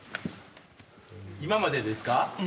今までですか？